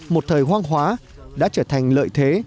một thời hoang hóa đã trở thành lợi thế